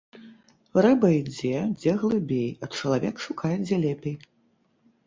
Рыба ідзе, дзе глыбей, а чалавек шукае, дзе лепей.